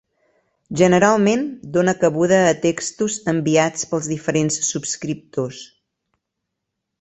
Generalment dóna cabuda a textos enviats pels diferents subscriptors.